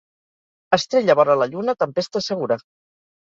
Estrella vora la lluna, tempesta segura.